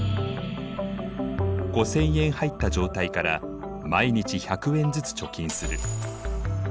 ５０００円入った状態から毎日１００円ずつ貯金する。